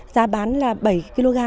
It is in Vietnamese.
giá bán là bảy kg